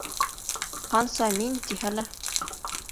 Ҡанса «мин» тиһә лә